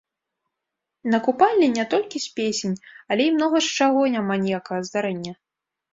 На купалле не толькі з песень, але і многа з чаго няма ніякага здарэння.